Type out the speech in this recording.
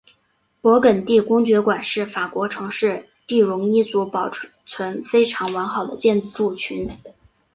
勃艮第公爵宫是法国城市第戎一组保存非常完好的建筑群。